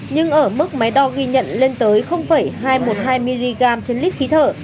nhưng ở mức máy đo ghi nhận lên tới hai trăm một mươi hai mg trên lít khí thở